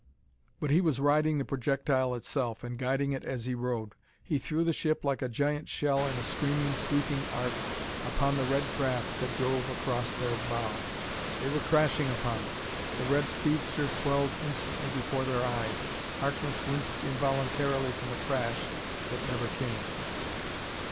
But he was riding the projectile itself and guiding it as he rode. He threw the ship like a giant shell in a screaming, sweeping arc upon the red craft that drove across their bow. They were crashing upon it; the red speedster swelled instantly before their eyes. Harkness winced involuntarily from the crash that never came.